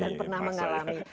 dan pernah mengalami